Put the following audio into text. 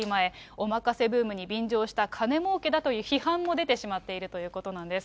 おまかせブームに便乗した金もうけだという批判も出てしまっているということなんです。